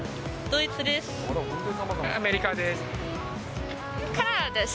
ドイツです。